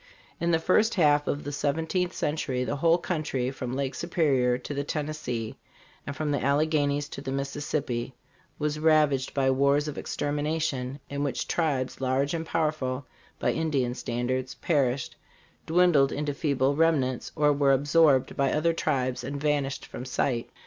In the first half of the seventeenth century the whole country, from Lake Su perior to the Tennessee and from the Alleghenies to the Mississippi, was rav aged by wars of extermination, in which tribes, large and powerful, by Ind ian standards, perished, dwindled into feeble remnants or were absorbed by other tribes and vanished from sight."